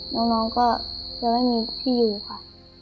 น้องก็จะไม่มีที่อยู่ค่ะ